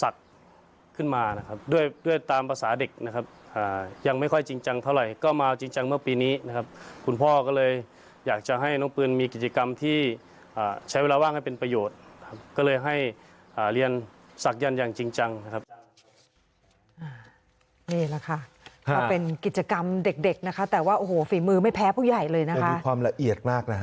ขึ้นมานะครับด้วยด้วยตามภาษาเด็กนะครับอ่ายังไม่ค่อยจริงจังเท่าไหร่ก็มาจริงจังเมื่อปีนี้นะครับคุณพ่อก็เลยอยากจะให้น้องปืนมีกิจกรรมที่อ่าใช้เวลาว่างให้เป็นประโยชน์ครับก็เลยให้อ่าเรียนสักยันอย่างจริงจังนะครับนี่แหละค่ะครับเป็นกิจกรรมเด็กเด็กนะคะแต่ว่าโอ้โหฝีมือไม่แพ้ผู้ใหญ